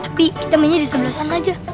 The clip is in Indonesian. tapi kita mainnya di sebelah sana aja